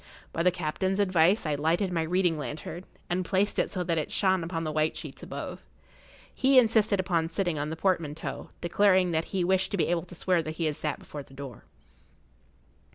By the captain's advice I lighted my reading lantern, and placed it so that it shone upon the white sheets above. He insisted upon sitting[Pg 60] on the portmanteau, declaring that he wished to be able to swear that he had sat before the door.